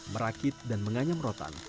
merakit dan menganyam rotan